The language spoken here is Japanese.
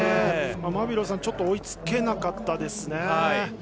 マビローさん、ちょっと追いつけなかったですね。